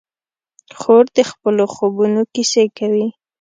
خور د خپلو خوبونو کیسې کوي.